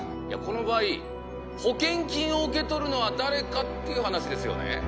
いやこの場合保険金を受け取るのは誰かっていう話ですよね。